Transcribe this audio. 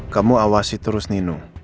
kamu awasi terus nino